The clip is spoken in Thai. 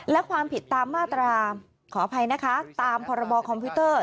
และความผิดตามมาตราขออภัยนะคะตามพรบคอมพิวเตอร์